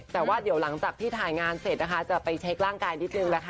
แต่ว่าเดี๋ยวหลังจากที่ถ่ายงานเสร็จนะคะจะไปเช็คร่างกายนิดนึงนะคะ